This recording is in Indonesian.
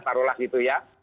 taruh lah gitu ya